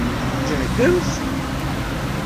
Tǧehdemt?